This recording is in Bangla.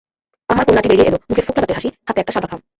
আমার কন্যাটি বেরিয়ে এল, মুখে ফোকলা দাঁতের হাসি, হাতে সাদা একটা খাম।